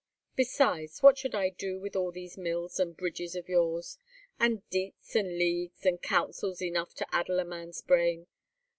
Besides, what should I do with all these mills and bridges of yours, and Diets, and Leagues, and councils enough to addle a man's brain?